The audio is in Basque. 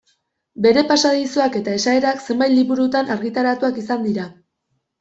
Bere pasadizoak eta esaerak zenbait liburutan argitaratuak izan dira.